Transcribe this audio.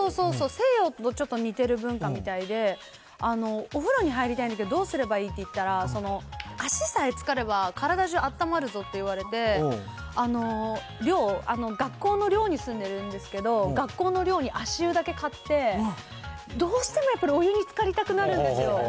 西洋とちょっと似てる文化みたいで、お風呂に入りたいんだけど、どうすればいいって言ったら、足さえつかれば、体中あったまるぞっていわれて、寮、学校の寮に住んでるんですけど、学校の寮に足湯だけ買って、どうしてもやっぱり、お湯につかりたくなるんですよ。